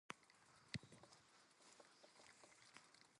The main urban center of the area is Sora.